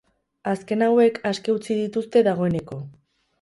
Azken hauek aske utzi dituzte dagoeneko.